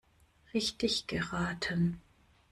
Richtig geraten!